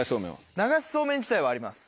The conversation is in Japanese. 流しそうめん自体はあります。